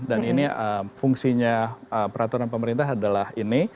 dan ini fungsinya peraturan pemerintah adalah ini